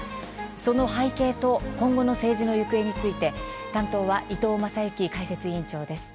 その背景と今後の政治の行方について担当は伊藤雅之解説委員長です。